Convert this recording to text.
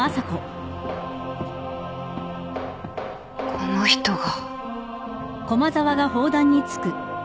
この人が。